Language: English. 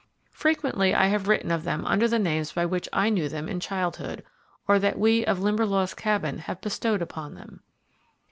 Frequently I have written of them under the names by which I knew them in childhood, or that we of Limberlost Cabin have bestowed upon them.